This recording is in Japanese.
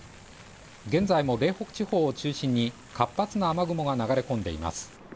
現在も嶺北地方を中心に活発な雨雲が流れ込んでいます。